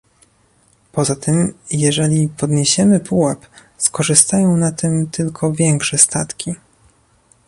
Poza tym, jeżeli podniesiemy pułap, skorzystają na tym tylko większe statki